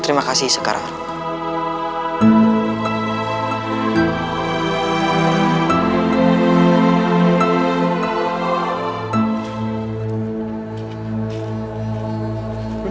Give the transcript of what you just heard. terima kasih sekarang